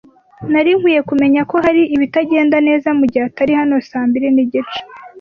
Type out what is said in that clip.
Nari nkwiye kumenya ko hari ibitagenda neza mugihe atari hano saa mbiri nigice.